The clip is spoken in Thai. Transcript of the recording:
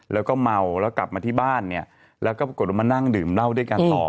แล้วก็เมาแล้วกลับมาที่บ้านเนี่ยแล้วก็ปรากฏว่ามานั่งดื่มเหล้าด้วยกันต่อ